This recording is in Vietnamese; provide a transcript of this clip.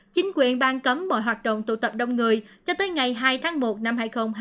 chính quyền bang cấm mọi hoạt động tụ tập đông người cho tới ngày hai tháng một năm hai nghìn hai mươi